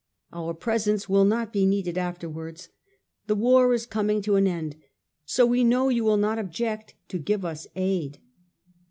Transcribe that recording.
Our presence will not be needed afterwards ; the war is coming to an end ; so we know you will not object to give us aid."